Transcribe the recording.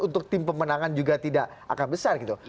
untuk tim pemenangan juga tidak akan besar gitu